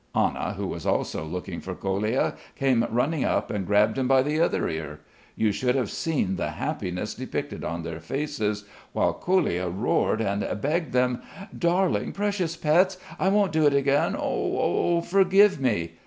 Anna, who was also looking for Kolia came running up and grabbed him by the other ear. You should have seen the happiness depicted on their faces while Kolia roared and begged them: "Darling, precious pets, I won't do it again. O oh O oh! Forgive me!"